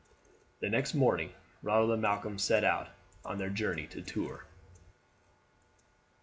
The next morning Ronald and Malcolm set out on their journey to Tours.